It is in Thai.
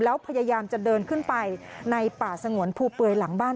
แล้วพยายามจะเดินขึ้นไปในป่าสงวนภูเปื่อยหลังบ้าน